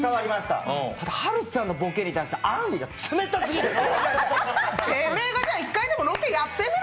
ただ、はるちゃんのボケに対してあんりが冷たすぎる。